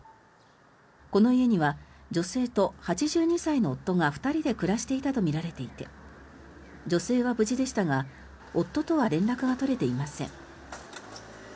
この家には女性と８２歳の夫が２人で暮らしていたとみられていて女性は無事でしたが夫とは連絡が取れていません。